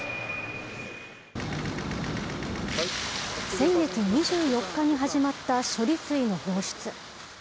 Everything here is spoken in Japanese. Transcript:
先月２４日に始まった処理水の放出。